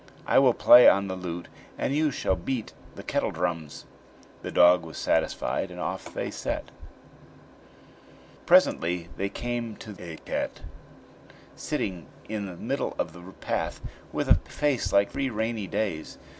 I will play on the lute, and you shall beat the kettledrums." The dog was satisfied, and off they set. Presently they came to a cat, sitting in the middle of the path, with a face like three rainy days!